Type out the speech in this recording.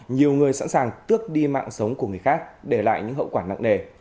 nhiều người sẵn sàng tước đi mạng sống của người khác để lại những hậu quả nặng nề